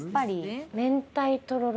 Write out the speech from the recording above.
明太とろろ